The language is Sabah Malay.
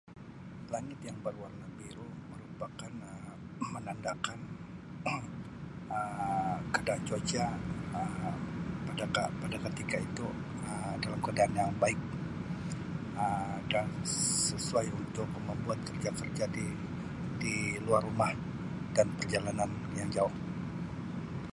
Langit yang berwarna biru merupakan Um menandakan Um keadaan cuaca Um pada ke pada ketika itu Um dalam keadaan yang baik Um dan sesuai untuk membuat kerja-kerja di-di luar rumah dan perjalanan yang jauh.